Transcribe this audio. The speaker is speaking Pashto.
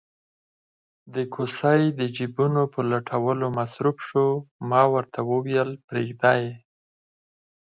د کوسۍ د جېبونو په لټولو مصروف شو، ما ورته وویل: پرېږده یې.